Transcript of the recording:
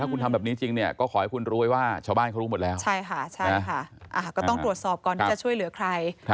คุณจะช่วยเหลือใครนะคะ